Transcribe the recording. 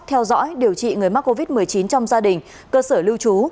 theo dõi điều trị người mắc covid một mươi chín trong gia đình cơ sở lưu trú